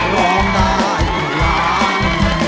ร้องได้ให้ล้าน